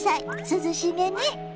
涼しげね。